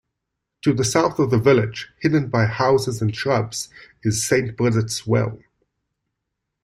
To the south of the village, hidden by houses and shrubs, is St.Bridits well.